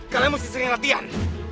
kalian mesti sering lepih